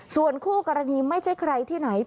ส่วนคู่กรณีไม่ใช่ใครที่ไหน